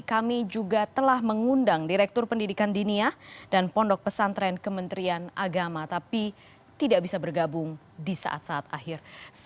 kami juga telah mengundang direktur pendidikan dinia dan pondok pesantren kementerian agama tapi tidak bisa bergabung di saat saat akhir